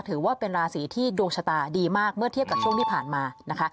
ถือว่าเป็นราศีที่ดวงชะตาดีมากเมื่อเทียบกับช่วงที่ผ่านมานะคะ